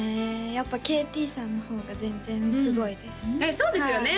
やっぱＫＴさんの方が全然すごいですそうですよね？